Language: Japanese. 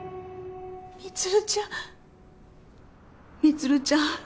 充ちゃん充ちゃん